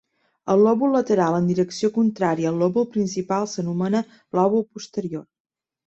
El lòbul lateral en direcció contrària al lòbul principal s'anomena "lòbul posterior".